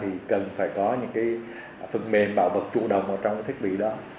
thì cần phải có những cái phần mềm bảo mật trụ đồng ở trong cái thiết bị đó